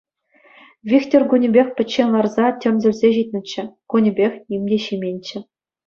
Вихтӗр кунӗпех пӗччен ларса тӗмсӗлсе ҫитнӗччӗ, кунӗпех ним те ҫименччӗ.